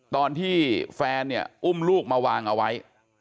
ตอนที่แฟนเนี่ยอุ้มลูกมาวางเอาไว้